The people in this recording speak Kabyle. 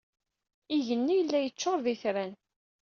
Igenni yella yeččuṛ d itran.